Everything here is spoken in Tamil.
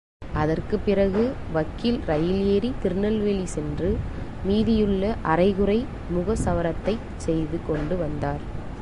அதற்கு பிறகு, வக்கீல் ரயில் ஏறி திருநெல்வேலி சென்று மீதியுள்ள அரைகுறை முகசவரத்தைச் செய்து கொண்டு வந்தார்.